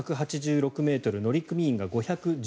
全長１８６ｍ乗組員が５１０人。